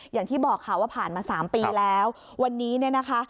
อย่างที่บอกค่ะว่าผ่านมา๓ปีแล้ววันนี้เนี่ยนะคะ